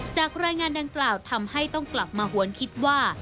จากรายงานดังกล่าวทำให้ต้องกลับมาหวนคิดว่า